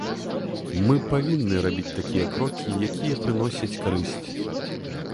Мы павінны рабіць такія крокі, якія прыносяць карысць.